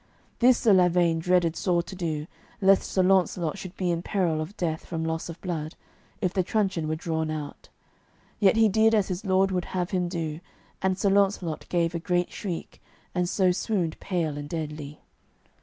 This Sir Lavaine dreaded sore to do, lest Sir Launcelot should be in peril of death from loss of blood, if the truncheon were drawn out. Yet he did as his lord would have him do, and Sir Launcelot gave a great shriek, and so swooned pale and deadly.